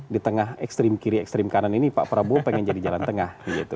di tengah ekstrim kiri ekstrim kanan ini pak prabowo pengen jadi jalan tengah